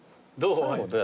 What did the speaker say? どう？